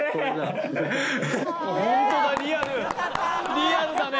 リアルだね。